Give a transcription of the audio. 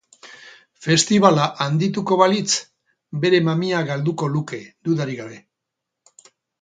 Festibala handituko balitz, bere mamia galduko luke, dudarik gabe.